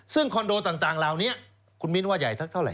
ซึ่งคอนโดต่างราวนี้คุณมิ้นว่าใหญ่เท่าไร